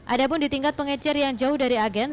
ada pun di tingkat pengecer yang jauh dari agen